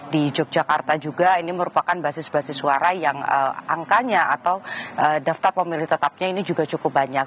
di yogyakarta juga ini merupakan basis basis suara yang angkanya atau daftar pemilih tetapnya ini juga cukup banyak